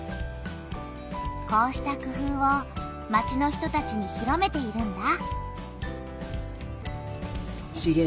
こうした工夫を町の人たちに広めているんだ。